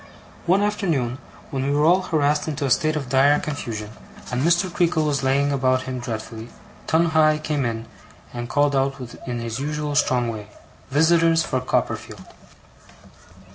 One afternoon, when we were all harassed into a state of dire confusion, and Mr. Creakle was laying about him dreadfully, Tungay came in, and called out in his usual strong way: 'Visitors for Copperfield!